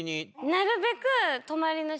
なるべく。